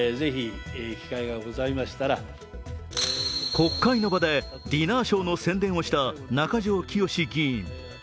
国会の場でディナーショーの宣伝をした中条きよし議員。